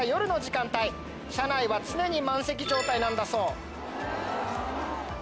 車内は常に満席状態なんだそう。